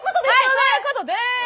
⁉はいそういうことです！